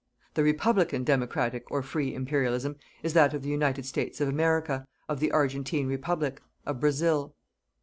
The Republican Democratic or free Imperialism is that of the United States of America, of the Argentine Republic, of Brazil.